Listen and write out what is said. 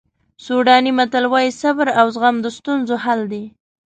سوډاني متل وایي صبر او زغم د ستونزو حل دی.